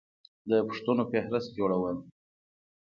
د پوښتنو فهرست جوړول